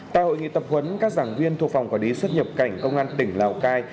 tại hội nghị tập huấn các giảng viên thuộc phòng quản lý xuất nhập cảnh công an tỉnh lào cai